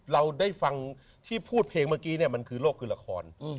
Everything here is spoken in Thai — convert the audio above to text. เราได้ฟังที่พูดเพลงเมื่อกี้เนี่ยมันคือโลกคือละคร